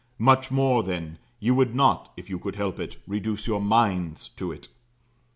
Much more, then, you would not, if you could help it, reduce your minds to it.